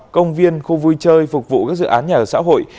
công viên khu vui chơi phục vụ các dự án nhà ở xã hội